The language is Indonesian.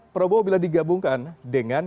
prabowo bila digabungkan dengan